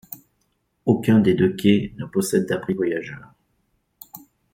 Aucun des deux quais ne possède d'abri voyageurs.